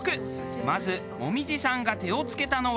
まず紅葉さんが手を付けたのは。